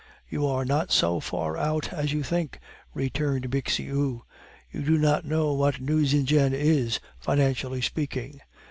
"You are not so far out as you think," returned Bixiou. "You do not know what Nucingen is, financially speaking."